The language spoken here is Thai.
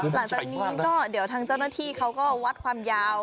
หลังจากนี้ก็เดี๋ยวทางเจ้าหน้าที่เขาก็วัดความยาว